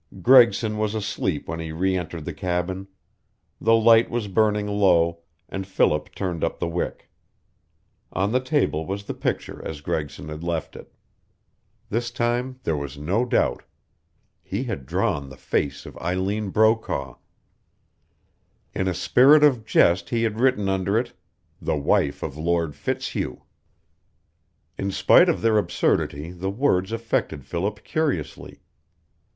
Gregson was asleep when he re entered the cabin. The light was burning low, and Philip turned up the wick. On the table was the picture as Gregson had left it. This time there was no doubt. He had drawn the face of Eileen Brokaw. In a spirit of jest he had written under it, "The Wife of Lord Fitzhugh." In spite of their absurdity the words affected Philip curiously.